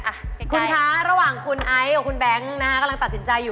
อ่ะคุณคะระหว่างคุณไอซ์กับคุณแบงค์นะฮะกำลังตัดสินใจอยู่